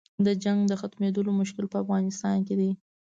د جنګ د ختمېدلو مشکل په افغانستان کې دی.